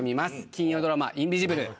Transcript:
金曜ドラマ「インビジブル」